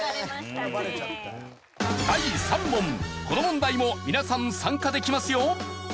この問題も皆さん参加できますよ。